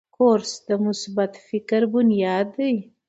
کورس د مثبت فکر بنیاد دی.